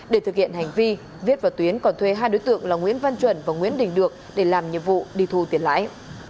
để thực hiện hành vi viết và tuyến còn thuê hai đối tượng là nguyễn văn chuẩn và nguyễn đình được để làm nhiệm vụ đi thu tiền lãi